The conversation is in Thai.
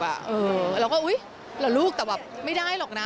แล้วก็อุ๊ยหล่ะลูกแต่แบบไม่ได้หรอกนะ